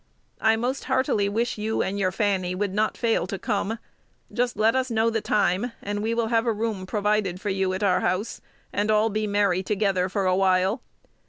I most heartily wish you and your Fanny would not fail to come. Just let us know the time, and we will have a room provided for you at our house, and all be merry together for a while.